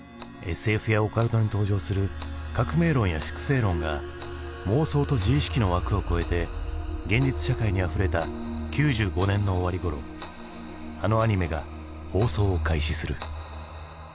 ＳＦやオカルトに登場する革命論や粛清論が妄想と自意識の枠を超えて現実社会にあふれた９５年の終わりごろあのアニメが放送を開始する。